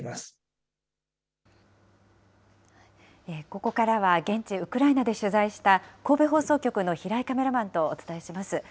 ここからは現地ウクライナで取材した、神戸放送局の平井カメラマンとお伝えします。